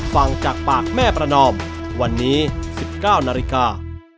ฟังจากปากแม่ประนอมวันนี้๑๙นาฬิกา